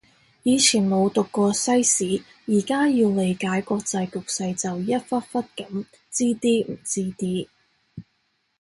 以前冇讀過西史，而家要理解國際局勢就一忽忽噉知啲唔知啲